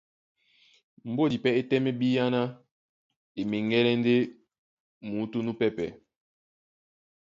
Mbódi pɛ́ é tɛ́mɛ bíáná e meŋgɛ́lɛ́ ndé muútú núpɛ́pɛ̄,